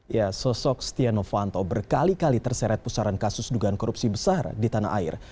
ya sosok setia novanto berkali kali terseret pusaran kasus dugaan korupsi besar di tanah air